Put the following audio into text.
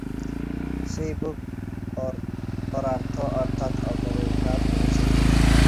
সেই ভোগ পরার্থ অর্থাৎ অপরের বা পুরুষের জন্য।